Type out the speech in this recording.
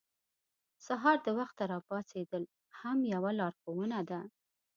سهار د وخته راپاڅېدل هم یوه لارښوونه ده.